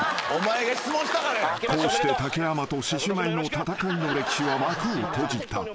［こうして竹山と獅子舞の戦いの歴史は幕を閉じた］